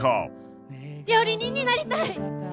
料理人になりたい。